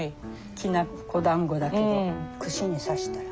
きな粉だんごだけど串に刺したら。